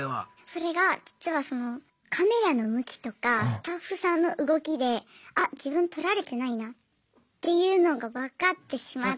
それが実はカメラの向きとかスタッフさんの動きであ自分撮られてないなっていうのが分かってしまって。